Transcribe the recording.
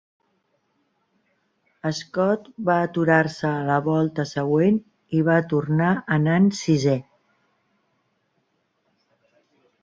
Scot va aturar-se a la volta següent i va tornar anant sisè.